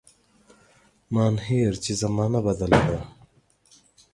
مانهیر چي زمانه بدله ده